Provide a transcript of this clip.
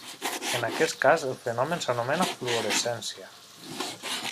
En aquest cas el fenomen s'anomena fluorescència.